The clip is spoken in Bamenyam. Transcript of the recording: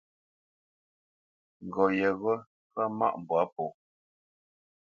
Ŋgop yeghó ntwá mâʼ mbwǎ pō.